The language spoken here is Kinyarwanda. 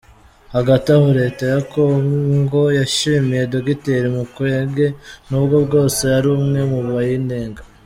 Hagati aho, leta ya Kongo yashimiye Dogiteri Mukwege, nubwo bwose ari umwe mu bayinenga.